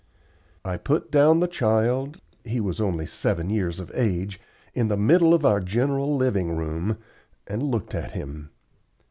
I put down the child he was only seven years of age in the middle of our general living room, and looked at him.